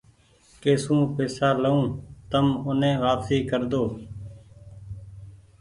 ڪي سون پئيسا لئو تو اوني واپسي ڪرۮو۔